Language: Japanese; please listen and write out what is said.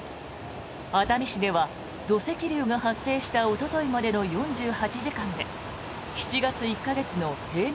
熱海市では土石流が発生したおとといまでの４８時間で７月１か月の平年